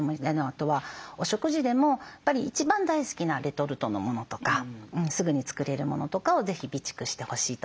あとはお食事でもやっぱり一番大好きなレトルトのものとかすぐに作れるものとかを是非備蓄してほしいと思います。